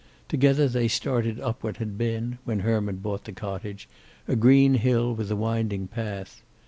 Together they started up what had been, when Herman bought the cottage, a green hill with a winding path.